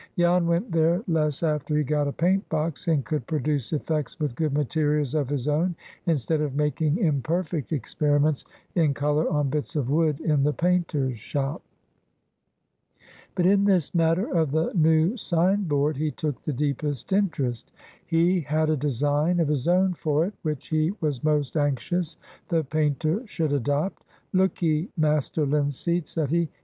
Jan went there less after he got a paint box, and could produce effects with good materials of his own, instead of making imperfect experiments in color on bits of wood in the painter's shop. But in this matter of the new sign board he took the deepest interest. He had a design of his own for it, which he was most anxious the painter should adopt. "Look 'ee, Master Linseed," said he.